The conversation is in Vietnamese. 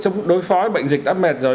chống đối phó với bệnh dịch đã mệt rồi